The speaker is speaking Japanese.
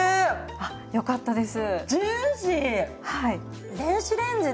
あっよかったです。